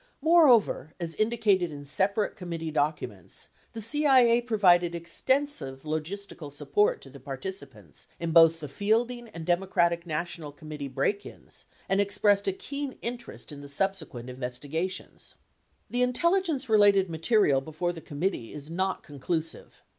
Moreover, as indicated in separate committee documents, the CIA provided extensive logistical support to the par ticipants in both the Fielding and Democratic National Com 1107 rnittee break ins and expressed a keen interest in the subsequent investigations.* The intelligence related material before the committee is not con clusive.